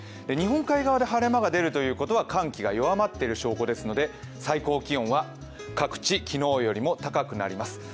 日本海側で晴れ間が出るということは寒気が弱まっている証拠ですので最高気温は各地、昨日よりも高くなります。